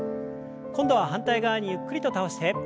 今度は反対側にゆっくりと倒して。